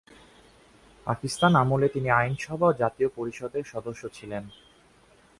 পাকিস্তান আমলে তিনি আইনসভা ও জাতীয় পরিষদের সদস্য ছিলেন।